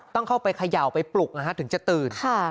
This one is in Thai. ต้องเข้าไปเขย่าไปปลุกถึงจะตื่น